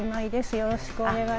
よろしくお願いします。